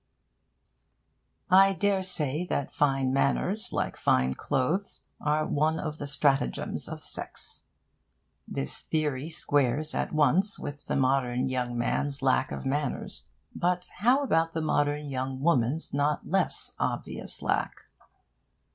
I dare say that fine manners, like fine clothes, are one of the stratagems of sex. This theory squares at once with the modern young man's lack of manners. But how about the modern young woman's not less obvious lack?